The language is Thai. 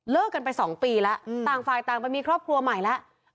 กันไป๒ปีแล้วต่างฝ่ายต่างไปมีครอบครัวใหม่แล้ว